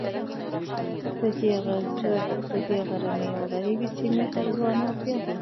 د دې غرنۍ او غریبې سیمې هر ځوان او پیغله